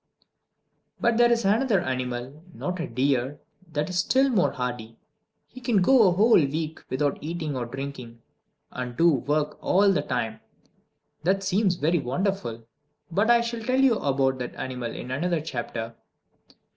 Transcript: But there is another animal, not a deer, that is still more hardy: he can go a whole week without eating or drinking and do work all the time! That seems very wonderful. But I shall tell you about that animal in another chapter.